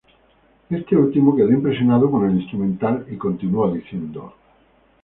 Este último quedó impresionado con el instrumental y continuó diciendo:.